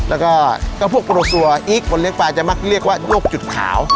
แล้วก็พวกโปรซัวอีกคนเลี้ยงปลาจะมักเรียกว่าโยกจุดขาว